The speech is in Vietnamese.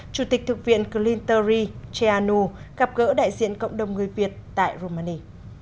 chủ tịch thực viện clinteri ceanu gặp gỡ đại diện cộng đồng người việt tại romani